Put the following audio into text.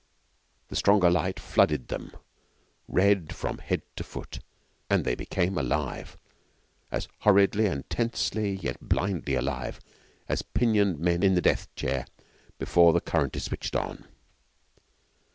The stronger light flooded them red from head to foot, and they became alive as horridly and tensely yet blindly alive as pinioned men in the death chair before the current is switched on.